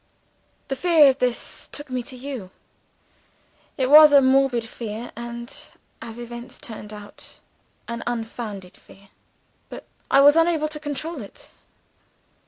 The fear of this took me to you. It was a morbid fear, and, as events turned out, an unfounded fear: but I was unable to control it.